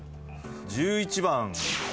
１１番。